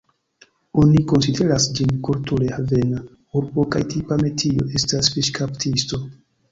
Oni konsideras ĝin kulture havena urbo kaj tipa metio estas fiŝkaptisto.